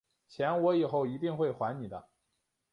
钱我以后一定会还你的